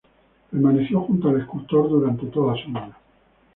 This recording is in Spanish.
Permaneció junto al escultor durante toda su vida.